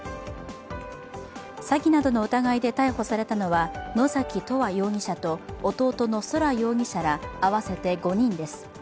詐欺などの疑いで逮捕されたのは、野崎永遠容疑者と弟の宇宙容疑者ら合わせて５人です。